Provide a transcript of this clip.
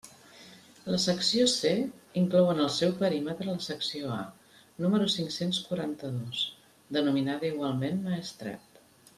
La Secció C inclou en el seu perímetre la Secció A número cinc-cents quaranta-dos, denominada igualment «Maestrat».